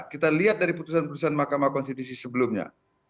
kita lihat dari putusan putusan mahkamah konstitusi sebelumnya